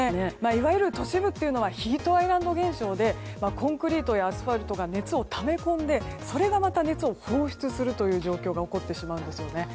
いわゆる都市部というのはヒートアイランド現象でコンクリートやアスファルトが熱をため込んでそれが熱を放出するということが起きてしまうんですね。